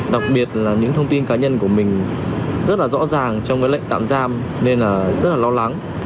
đặc biệt là những thông tin cá nhân của mình rất là rõ ràng trong cái lệnh tạm giam nên là rất là lo lắng